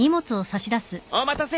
お待たせ。